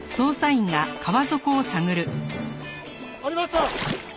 ありました！